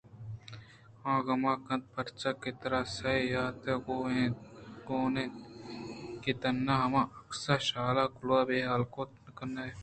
آ غم کنت پرچاکہ ترا سئے یات گون اَنت کہ تنیگا ہماعکس شال ءُکلاہ ءَ بے حال کُت نہ کنئے